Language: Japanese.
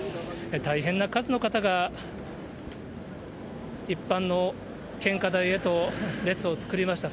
大変な数の方が一般の献花台へと列を作りました。